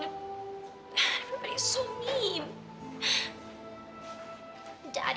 semua orang sangat berani